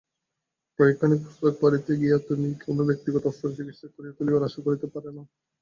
কয়েকখানি পুস্তক পড়িতে দিয়া তুমি কোন ব্যক্তিকে অস্ত্রচিকিৎসক করিয়া তুলিবার আশা করিতে পার না।